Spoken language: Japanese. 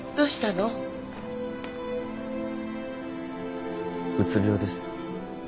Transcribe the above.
うつ病です。